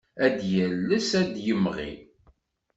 Ad yales ad d-yemɣi.